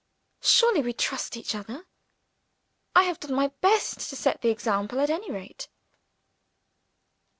Surely we trust each other? I have done my best to set the example, at any rate."